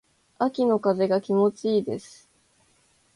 秋の風が気持ち良いです。